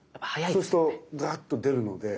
そうするとザーッと出るので。